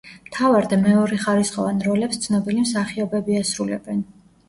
მთავარ და მეორეხარისხოვან როლებს ცნობილი მსახიობები ასრულებენ.